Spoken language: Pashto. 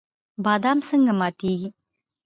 بادام څنګه ماتیږي؟